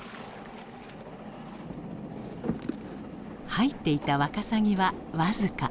入っていたワカサギは僅か。